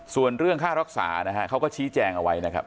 ส่วนเรื่องค่ารักษานะฮะเขาก็ชี้แจงเอาไว้นะครับ